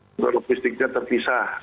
untuk logistiknya terpisah